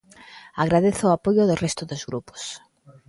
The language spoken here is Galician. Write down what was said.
Agradezo o apoio do resto dos grupos.